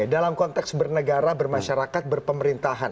sebagai pemerintahan yang bernegara bermasyarakat berpemerintahan